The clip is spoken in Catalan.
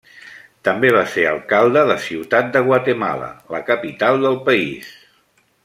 També va ser alcalde de Ciutat de Guatemala, la capital del país.